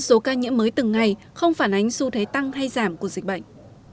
số ca nhiễm mới từng ngày không phản ánh xu thế tăng hay giảm của dịch bệnh